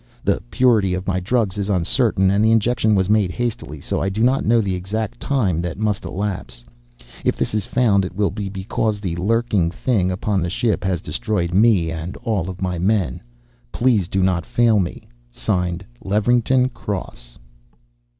The purity of my drugs is uncertain, and the injection was made hastily, so I do not know the exact time that must elapse. "If this is found, it will be because the lurking thing upon the ship has destroyed me and all my men. "Please do not fail me. Levington Cross."